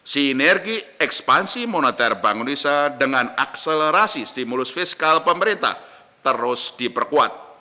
sinergi ekspansi moneter bank indonesia dengan akselerasi stimulus fiskal pemerintah terus diperkuat